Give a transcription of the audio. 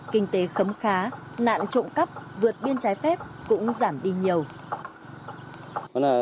kinh tế khấm khá nạn trộm cắp vượt biên trái phép cũng giảm đi nhiều